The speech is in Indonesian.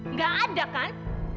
nggak ada kan